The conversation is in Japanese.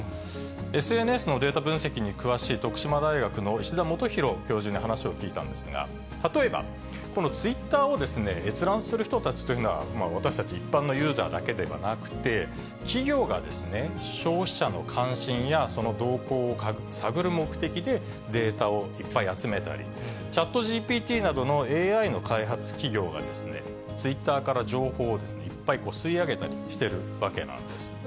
ＳＮＳのデータ分析に詳しい徳島大学の石田基広教授に話を聞いたんですが、例えば、このツイッターを閲覧する人たちというのは、私たち一般のユーザーだけではなくて、企業が消費者の関心やその動向を探る目的でデータをいっぱい集めたり、ＣｈａｔＧＰＴなどのＡＩの開発企業が、ツイッターから情報をいっぱい吸い上げたりしてるわけなんです。